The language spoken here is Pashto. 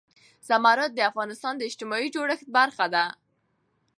زمرد د افغانستان د اجتماعي جوړښت برخه ده.